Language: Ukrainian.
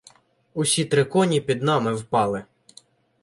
Усі три коні під нами впали.